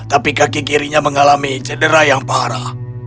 tapi kaki kirinya mengalami cedera yang parah